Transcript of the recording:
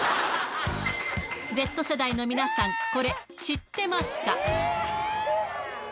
Ｚ世代の皆さん、これ、知ってますか？